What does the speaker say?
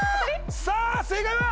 さぁ正解は？